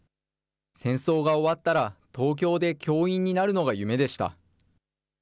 戦争が終わったら、東京で教員になるのが夢でした。